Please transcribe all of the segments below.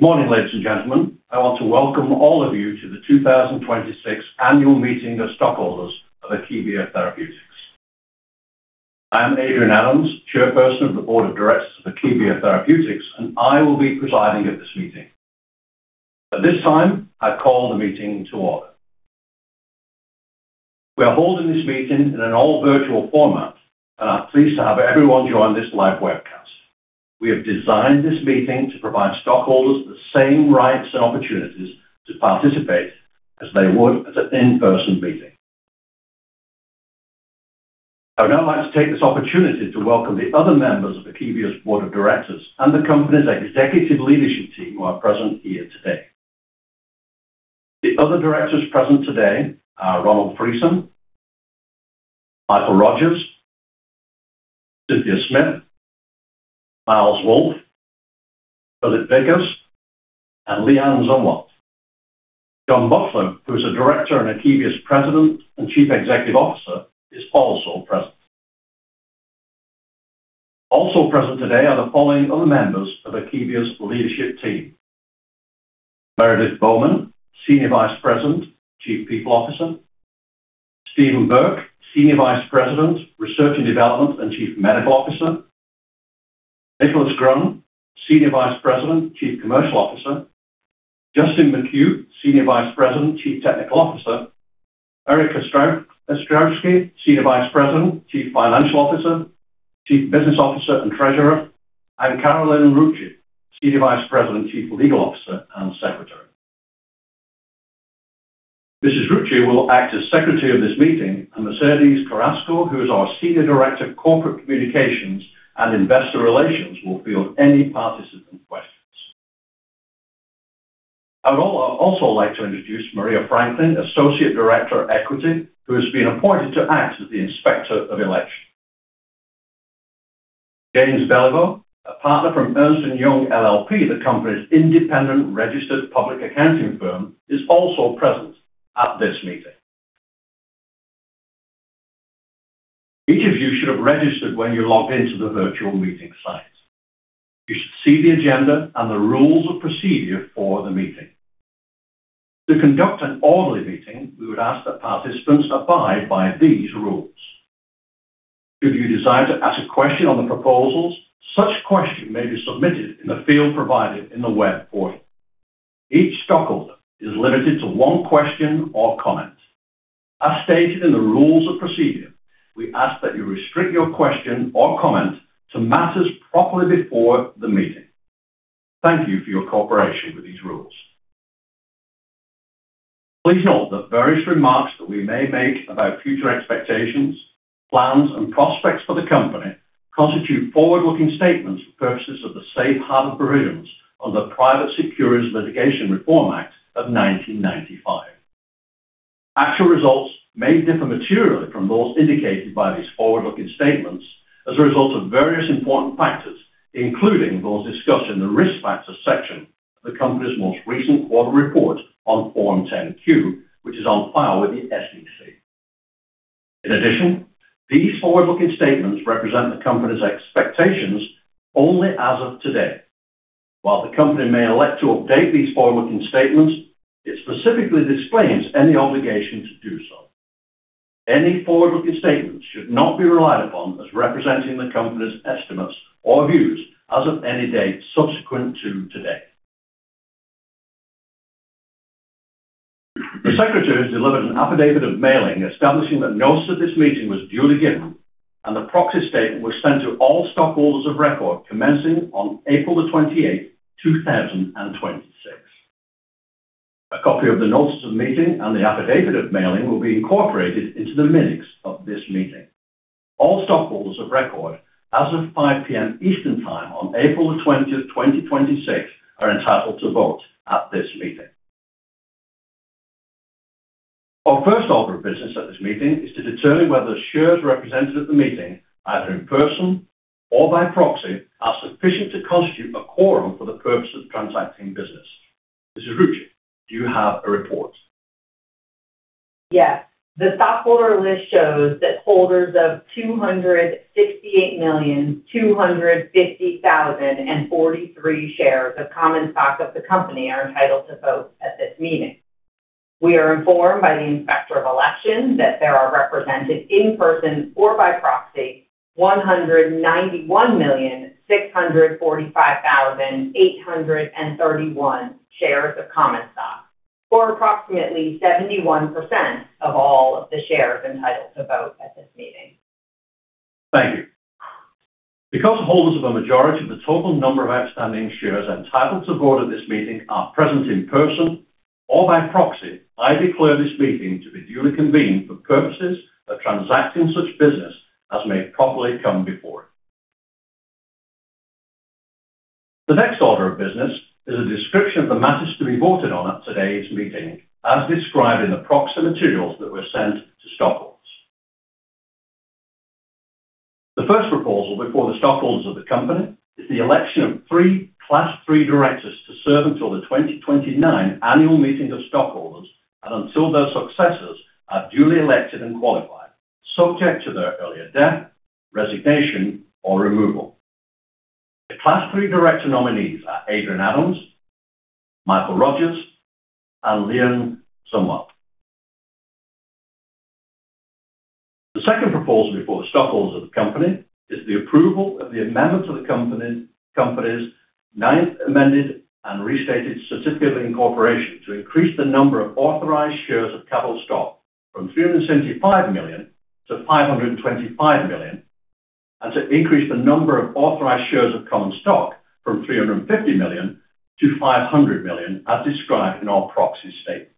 Morning, ladies and gentlemen. I want to welcome all of you to the 2026 Annual Meeting of Stockholders of Akebia Therapeutics. I am Adrian Adams, Chairperson of the Board of Directors of Akebia Therapeutics, and I will be presiding at this meeting. At this time, I call the meeting to order. We are holding this meeting in an all-virtual format and are pleased to have everyone join this live webcast. We have designed this meeting to provide stockholders with the same rights and opportunities to participate as they would at an in-person meeting. I would now like to take this opportunity to welcome the other members of Akebia's Board of Directors and the company's executive leadership team who are present here today. The other directors present today are Ronald Friesen, Michael Rogers, Cynthia Smith, Myles Wolf, Philip Vickers, and LeAnne Zumwalt. John Butler, who is a Director and Akebia's President and Chief Executive Officer, is also present. Also present today are the following other members of Akebia's leadership team. Meredith Bowman, Senior Vice President, Chief People Officer. Steven Burke, Senior Vice President, Research and Development, and Chief Medical Officer. Nicholas Grund, Senior Vice President, Chief Commercial Officer. Justin McCue, Senior Vice President, Chief Technology Officer. Erik Ostrowski, Senior Vice President, Chief Financial Officer, Chief Business Officer, and Treasurer. Carolyn Rucci, Senior Vice President, Chief Legal Officer, and Secretary. Mrs. Rucci will act as secretary of this meeting, and Mercedes Carrasco, who is our Senior Director, Corporate Communications and Investor Relations, will field any participant questions. I would also like to introduce Maria Franklin, Associate Director, Equity, who has been appointed to act as the Inspector of Election. James Beliveau, a Partner from Ernst & Young LLP, the company's independent registered public accounting firm, is also present at this meeting. Each of you should have registered when you logged in to the virtual meeting site. You should see the agenda and the rules of procedure for the meeting. To conduct an orderly meeting, we would ask that participants abide by these rules. Should you desire to ask a question on the proposals, such question may be submitted in the field provided in the web portal. Each stockholder is limited to one question or comment. As stated in the rules of procedure, we ask that you restrict your question or comment to matters properly before the meeting. Thank you for your cooperation with these rules. Please note that various remarks that we may make about future expectations, plans, and prospects for the company constitute forward-looking statements for purposes of the safe harbor provisions of the Private Securities Litigation Reform Act of 1995. Actual results may differ materially from those indicated by these forward-looking statements as a result of various important factors, including those discussed in the Risk Factors section of the company's most recent quarter report on Form 10-Q, which is on file with the SEC. In addition, these forward-looking statements represent the company's expectations only as of today. While the company may elect to update these forward-looking statements, it specifically disclaims any obligation to do so. Any forward-looking statements should not be relied upon as representing the company's estimates or views as of any date subsequent to today. The Secretary has delivered an affidavit of mailing establishing that notice of this meeting was duly given, and the proxy statement was sent to all stockholders of record commencing on April the 28th, 2026. A copy of the notice of meeting and the affidavit of mailing will be incorporated into the minutes of this meeting. All stockholders of record as of 5:00 P.M. Eastern Time on April the 20th, 2026, are entitled to vote at this meeting. Our first order of business at this meeting is to determine whether the shares represented at the meeting, either in person or by proxy, are sufficient to constitute a quorum for the purpose of transacting business. Mrs. Rucci, do you have a report? Yes. The stockholder list shows that holders of 268,250,043 shares of common stock of the company are entitled to vote at this meeting. We are informed by the Inspector of Election that there are represented in person or by proxy 191,645,831 shares of common stock, or approximately 71% of all of the shares entitled to vote at this meeting. Thank you. Because the holders of a majority of the total number of outstanding shares entitled to vote at this meeting are present in person or by proxy, I declare this meeting to be duly convened for purposes of transacting such business as may properly come before it. The next order of business is a description of the matters to be voted on at today's meeting, as described in the proxy materials that were sent to stockholders. The first proposal before the stockholders of the company is the election of 3 Class III directors to serve until the 2029 Annual Meeting of Stockholders and until their successors are duly elected and qualified Subject to their earlier death, resignation, or removal. The Class III director nominees are Adrian Adams, Michael Rogers, and LeAnne Zumwalt. The second proposal before the stockholders of the company is the approval of the amendment of the company's ninth amended and restated certificate of incorporation to increase the number of authorized shares of capital stock from 375 million to 525 million, and to increase the number of authorized shares of common stock from 350 million to 500 million, as described in our proxy statement.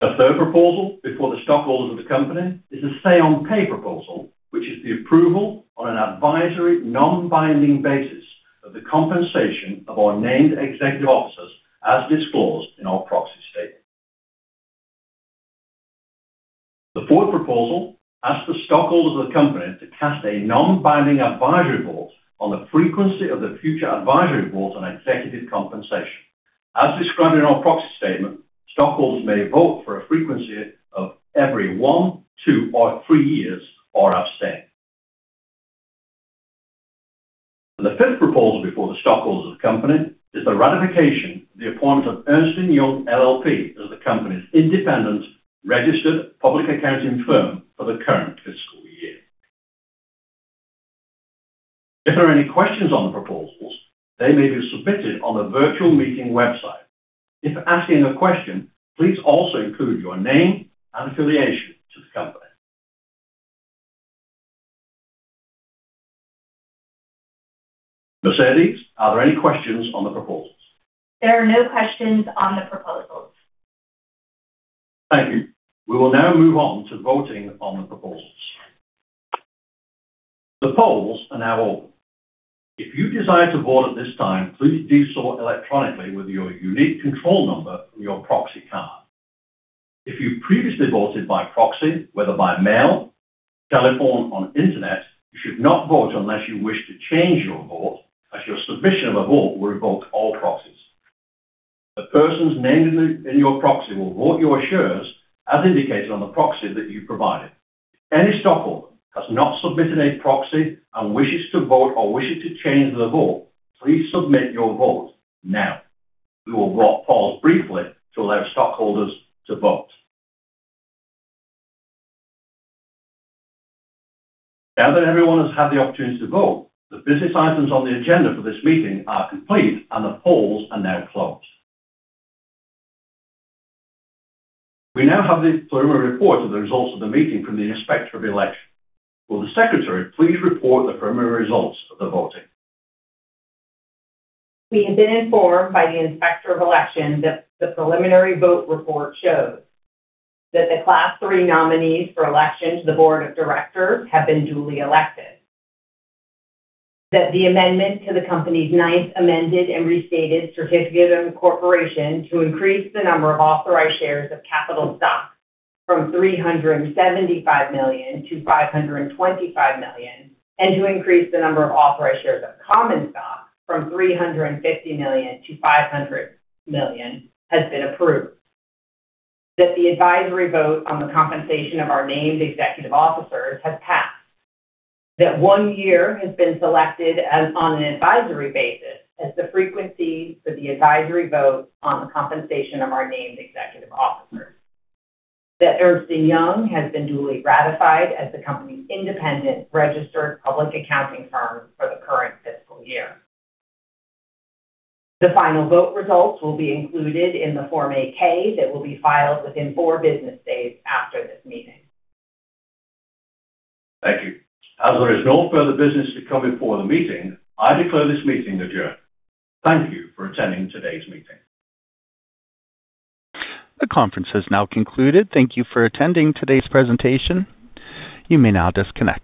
The third proposal before the stockholders of the company is a say-on-pay proposal, which is the approval on an advisory, non-binding basis of the compensation of our named executive officers, as disclosed in our proxy statement. The fourth proposal asks the stockholders of the company to cast a non-binding advisory vote on the frequency of the future advisory votes on executive compensation. As described in our proxy statement, stockholders may vote for a frequency of every one, two, or three years, or abstain. The fifth proposal before the stockholders of the company is the ratification of the appointment of Ernst & Young LLP as the company's independent registered public accounting firm for the current fiscal year. If there are any questions on the proposals, they may be submitted on the virtual meeting website. If asking a question, please also include your name and affiliation to the company. Mercedes, are there any questions on the proposals? There are no questions on the proposals. Thank you. We will now move on to voting on the proposals. The polls are now open. If you decide to vote at this time, please do so electronically with your unique control number from your proxy card. If you previously voted by proxy, whether by mail, telephone, or on internet, you should not vote unless you wish to change your vote, as your submission of a vote will revoke all proxies. The persons named in your proxy will vote your shares as indicated on the proxy that you provided. If any stockholder has not submitted a proxy and wishes to vote or wishes to change their vote, please submit your vote now. We will pause briefly to allow stockholders to vote. Now that everyone has had the opportunity to vote, the business items on the agenda for this meeting are complete and the polls are now closed. We now have the preliminary report of the results of the meeting from the Inspector of Election. Will the Secretary please report the preliminary results of the voting? We have been informed by the Inspector of Election that the Class III nominees for election to the board of directors have been duly elected. That the amendment to the company's ninth amended and restated certificate of incorporation to increase the number of authorized shares of capital stock from 375 million to 525 million, and to increase the number of authorized shares of common stock from 350 million to 500 million, has been approved. That the advisory vote on the compensation of our named executive officers has passed. That one year has been selected on an advisory basis as the frequency for the advisory vote on the compensation of our named executive officers. That Ernst & Young has been duly ratified as the company's independent registered public accounting firm for the current fiscal year. The final vote results will be included in the Form 8-K that will be filed within four business days after this meeting. Thank you. There is no further business to come before the meeting, I declare this meeting adjourned. Thank you for attending today's meeting. The conference has now concluded. Thank you for attending today's presentation. You may now disconnect.